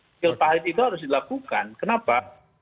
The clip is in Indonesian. skill pahit itu harus dilakukan kenapa